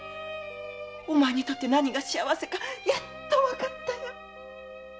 お前にとって何が幸せかやっとわかったよ。